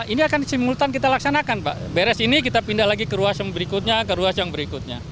ini akan simultan kita laksanakan pak beres ini kita pindah lagi ke ruas yang berikutnya ke ruas yang berikutnya